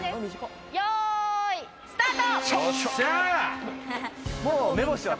よい、スタート！